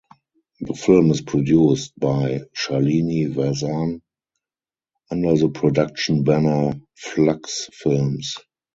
The film is produced by Shalini Vasan under the production banner Flux Films.